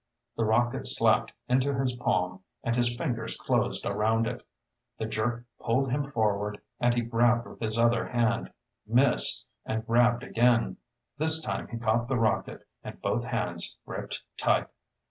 The rocket slapped into his palm and his fingers closed around it. The jerk pulled him forward and he grabbed with his other hand, missed, and grabbed again. This time he caught the rocket, and both hands gripped tight.